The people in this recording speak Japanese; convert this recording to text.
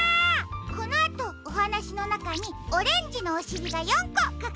このあとおはなしのなかにオレンジのおしりが４こかくされているよ。